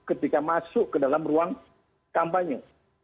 ketika masuk ke dalam ruang kampanye